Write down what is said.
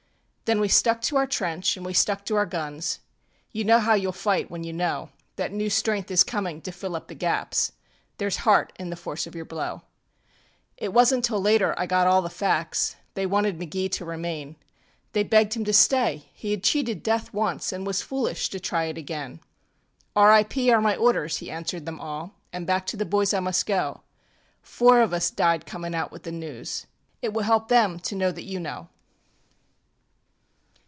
Then we stuck to our trench anŌĆÖ we stuck to our guns; You know how youŌĆÖll fight when you know That new strength is coming to fill up the gaps. ThereŌĆÖs heart in the force of your blow. ŌĆ£It wasnŌĆÖt till later I got all the facts. They wanted McGee to remain. They begged him to stay. He had cheated death once, AnŌĆÖ was foolish to try it again. ŌĆśR. I. P. are my orders, ŌĆÖ he answered them all, ŌĆśAnŌĆÖ back to the boys I must go; Four of us died cominŌĆÖ out with the news. It will help them to know that you know.